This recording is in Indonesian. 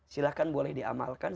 silahkan boleh diamalkan